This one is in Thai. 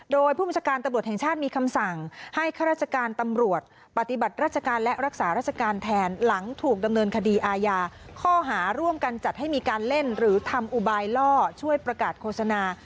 โดยผู้บัญชาการตำรวจแห่งชาติมีคำสั่งให้ข้าราชการตำรวจปฏิบัติราชการและรักษาราชการแทนหลังถูกดำเนินคดีอาญาข้อหาร่วมกันจัดให้มีการเล่นหรือทำอุบายล่อช่วยประกาศโฆษณา